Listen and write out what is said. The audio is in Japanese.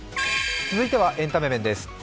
続いてはエンタメ面です。